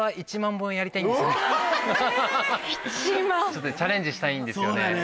ちょっとチャレンジしたいんですよね。